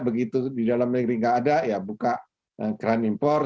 begitu di dalam negeri tidak ada ya buka keran impor